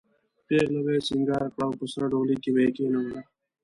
پېغله به یې سینګاره کړه او په سره ډولۍ کې به یې کېنوله.